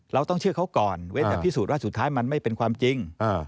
เราต้องเชื่อเขาก่อนเว้นแต่พิสูจน์ว่าสุดท้ายมันไม่เป็นความจริง